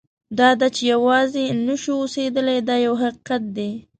دا ده چې یوازې نه شو اوسېدلی دا یو حقیقت دی.